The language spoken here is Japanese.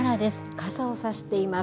傘を差しています。